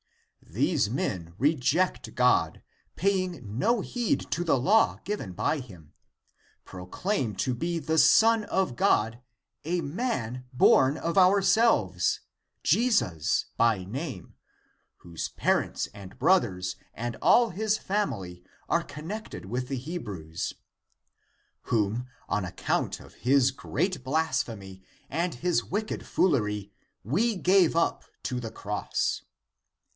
These men reject God, paying no heed to the law given by Him, proclaim to be the Son of God a man born of ourselves, Jesus by name, wdiose parents and brothers and all his family are connected with the Hebrews; whom on account of his great blasphemy and his wicked foolery we gave up to the cross.